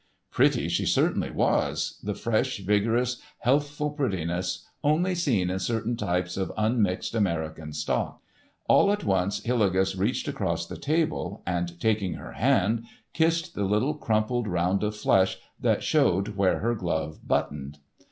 Pretty she certainly was—the fresh, vigorous, healthful prettiness only seen in certain types of unmixed American stock. All at once Hillegas reached across the table, and, taking her hand, kissed the little crumpled round of flesh that showed where her glove buttoned.